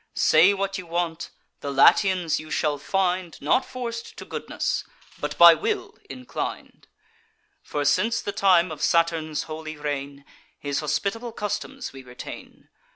Say what you want: the Latians you shall find Not forc'd to goodness, but by will inclin'd; For, since the time of Saturn's holy reign, His hospitable customs we retain.